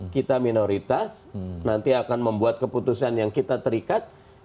kita minoritas nanti akan membuat keputusan yang kita terikat